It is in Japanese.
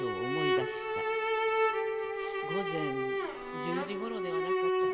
午前１０時頃ではなかったかと」。